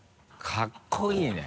かっこいいね。